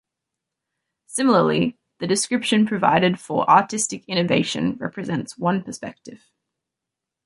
Similarly, the description provided for artistic innovation represents one perspective.